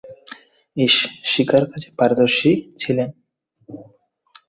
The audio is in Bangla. ঈস শিকার কাজে পারদর্শী ছিলেন।